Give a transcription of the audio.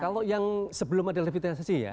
kalau yang sebelum ada revitalisasi ya